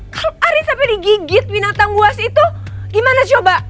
kalau arin sampai digigit binatang buas itu gimana coba